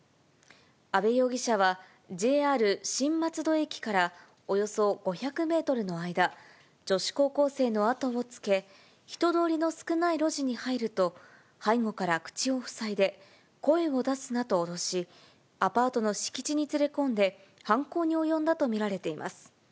阿部容疑者は、ＪＲ新松戸駅からおよそ５００メートルの間、女子高校生の後をつけ、人通りの少ない路地に入ると、背後から口を塞いで、声を出すなと脅し、アパートの敷地に連れ込んで犯行に及んだと見られています。